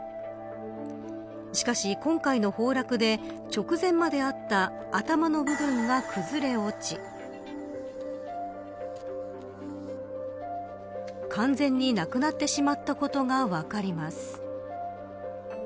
しかし今回の崩落で直前まであった頭の部分が崩れ落ち完全になくなってしまったことが分かります。